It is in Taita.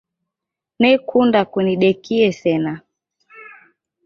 Nekunda kunidekie sena.